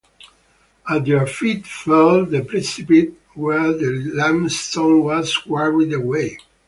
At their feet fell the precipice where the limestone was quarried away.